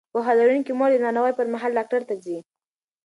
پوهه لرونکې مور د ناروغۍ پر مهال ډاکټر ته ځي.